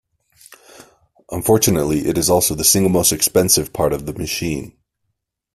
Unfortunately it is also the single most expensive part of the machine.